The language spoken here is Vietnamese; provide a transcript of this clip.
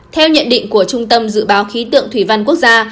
theo nhận định của trung tâm dự báo khí tượng thủy văn quốc gia